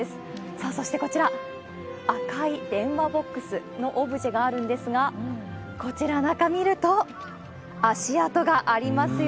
さあ、そしてこちら、赤い電話ボックスのオブジェがあるんですが、こちら、中見ると、足跡がありますよ。